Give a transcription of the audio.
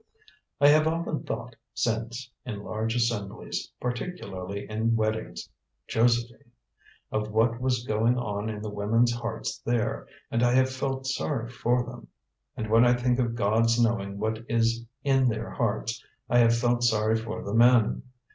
"I have often thought, since, in large assemblies, particularly in weddings, Josephine, of what was going on in the women's hearts there, and I have felt sorry for them; and when I think of God's knowing what is in their hearts, I have felt sorry for the men.